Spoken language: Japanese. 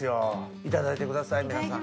いただいてください皆さん。